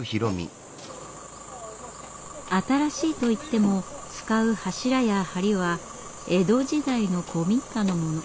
新しいといっても使う柱や梁は江戸時代の古民家のもの。